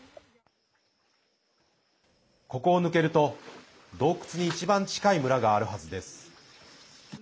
ここを抜けると、洞窟に一番近い村があるはずです。